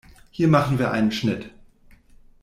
Hier machen wir einen Schnitt.